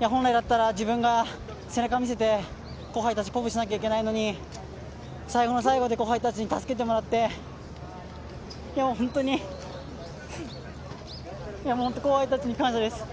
本来なら自分が背中を見せて後輩たちを鼓舞しなければいけないのに最後で後輩たちに助けてもらって本当に後輩たちに感謝です。